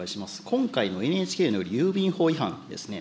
今回のＮＨＫによる郵便法違反ですね。